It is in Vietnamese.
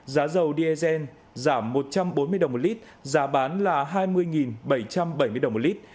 giá dầu diesel giảm một trăm bốn mươi đồng một lít giá bán là hai mươi bảy trăm bảy mươi đồng một lít